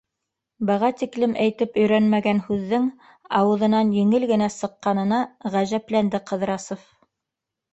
- Быға тиклем әйтеп өйрәнмәгән һүҙҙең ауыҙынан еңел генә сыҡҡанына ғәжәпләнде Ҡыҙрасов.